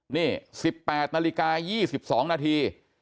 นี่๑๘นาฬิกา๒๒นาที